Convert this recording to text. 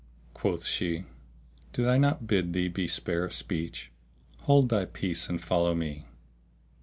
Quoth she, "Did I not bid thee be spare of speech? Hold thy peace and follow me.